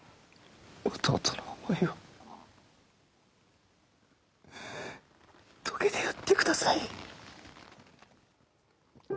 弟の思いを遂げてやってください。